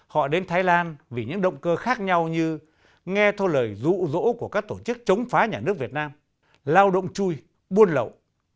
họ đến thái lan vì những động cơ khác nhau như nghe theo lời rụ rỗ của các tổ chức chống phá nhà nước việt nam lao động chui buôn lậu